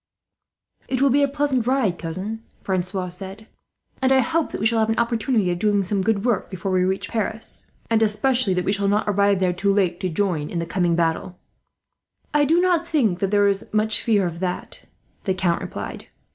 "It will be a pleasant ride, cousin," Francois said, "and I hope that we shall have an opportunity of doing some good work, before we reach Paris; and especially that we shall not arrive there too late to join in the coming battle." "I do not think that there is much fear of that," the Count replied.